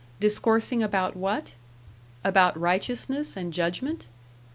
Discoursing about what? About righteousness and judgment?